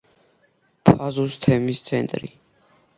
ფაზუს თემის ცენტრი.